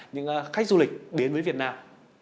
những khách du lịch đến với việt nam